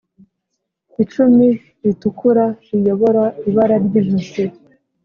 icumi ritukura riyobora ibara ryijosi.